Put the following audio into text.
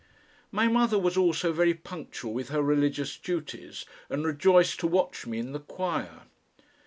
My mother was also very punctual with her religious duties, and rejoiced to watch me in the choir.